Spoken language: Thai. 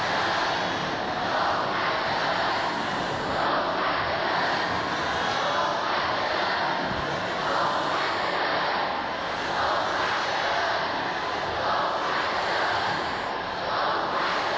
โลกแขกเตอร์โลกแขกเตอร์โลกแขกเตอร์